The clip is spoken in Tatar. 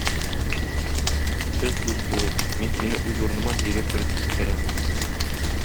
Без дус булыйк, мин сине үз урыныма директор итеп күтәрәмен.